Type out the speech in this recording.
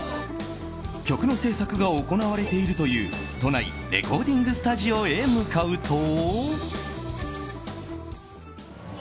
曲の制作が行われているという都内レコーディングスタジオへ向かうと。